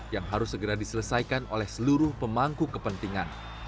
yang harus segera diselesaikan oleh seluruh pemangku kepentingan